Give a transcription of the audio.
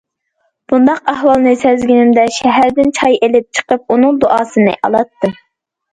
بۇنداق ئەھۋالنى سەزگىنىمدە شەھەردىن چاي ئېلىپ چىقىپ، ئۇنىڭ دۇئاسىنى ئالاتتىم.